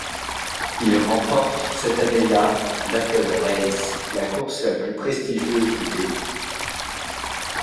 Il remporte cette année-là l'Apple Race, la course la plus prestigieuse du pays.